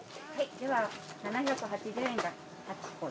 では７８０円が８個で。